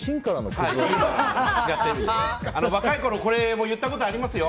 若いころこれ言ったことありますよ。